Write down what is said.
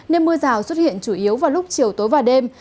nên mưa rào xuất hiện chủ yếu vào lúc chiều tối và đêm